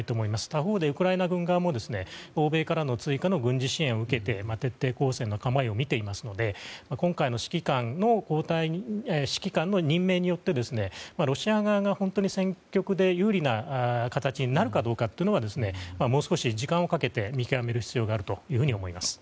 他方でウクライナ軍側も欧米からの追加の軍事支援を受けて徹底抗戦の構えを見ていますので今回の指揮官の任命によってロシア側が本当に戦局で有利な形になるかどうかはもう少し時間をかけて見極める必要があると思います。